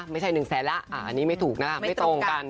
ไม่ใช่๑แสนแล้วอันนี้ไม่ถูกนะไม่ตรงกัน